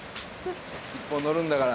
１本乗るんだから。